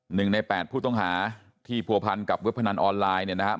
หนึ่งในแปดผู้ต้องหาที่ผัวพันกับเว็บพนันออนไลน์เนี่ยนะครับ